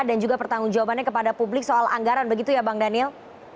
dan juga pertanggung jawabannya kepada publik soal anggaran begitu ya bang daniel